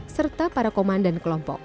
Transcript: serta para komandan kelompok